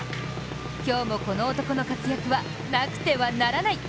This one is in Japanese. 今日もこの男の活躍はなくてはならない！